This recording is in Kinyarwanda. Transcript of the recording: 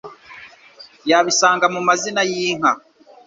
yabisanga mu mazina y'inka